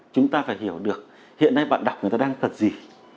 chúng ta phải hiểu được hiện nay bạn đọc người ta đang cần gì